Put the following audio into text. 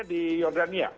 maksudnya di jordania